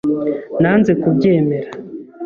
Nanze kubyemera .